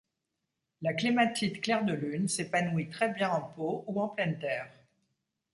La clématite Clair de lune s'épanouit très bien en pot ou en pleine terre.